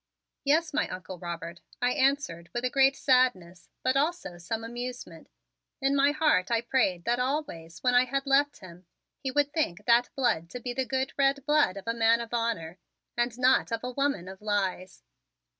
"Yes, my Uncle Robert," I answered with a great sadness but also some amusement. In my heart I prayed that always when I had left him he would think that blood to be the good red blood of a man of honor and not of a woman of lies.